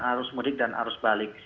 arus mudik dan arus balik